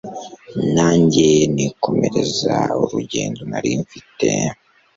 nanjye nikomereza urugendonarimfite